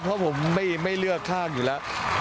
เพราะผมไม่เลือกข้างอยู่แล้ว